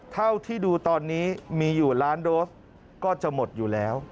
เท่าที่ดูตอนนี้มีอยู่ล้านโดสก็จะหมดอยู่แล้ว